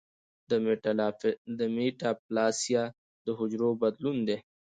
د میټاپلاسیا د حجرو بدلون دی.